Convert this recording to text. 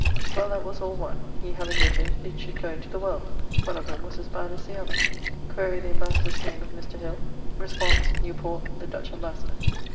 Well, that was all one; he having writt it, it should goe into the world; one of them was as bad as the other. [XXIV.] Quaere the ambassador's name of Mr. Hill? Resp., Newport, the Dutch ambassador.